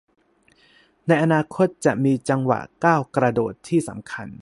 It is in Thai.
ในอนาคตจะมีจังหวะก้าวกระโดดที่สำคัญ